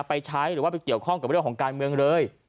ไปใช้หรือว่าไปเกี่ยวข้องกับเรื่องของการเมืองเลย